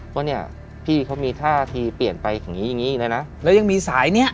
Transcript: ก็เนี่ยพี่เขามีท่าทีเปลี่ยนไปอย่างงี้อย่างงี้เลยนะแล้วยังมีสายเนี้ย